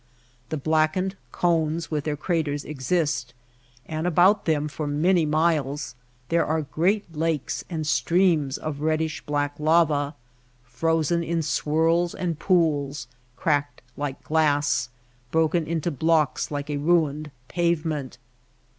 The blackened cones with their craters exist ; and about them, for many miles, there are great lakes and streams of reddish black lava, frozen in swirls and pools, cracked like glass, broken into blocks like a ruined pavement.